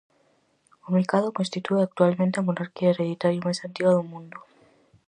O micado constitúe actualmente a monarquía hereditaria máis antiga do mundo.